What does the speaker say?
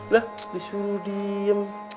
lah disuruh diem